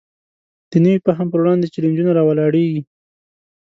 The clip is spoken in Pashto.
د نوي فهم پر وړاندې چلینجونه راولاړېږي.